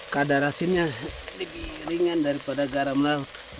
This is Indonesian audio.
kadar asinnya lebih ringan daripada garam laut